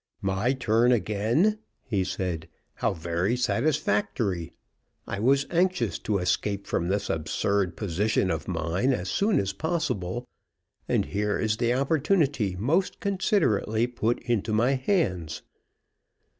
"My turn again?" he said. "How very satisfactory! I was anxious to escape from this absurd position of mine as soon as possible, and here is the opportunity most considerately put into my hands.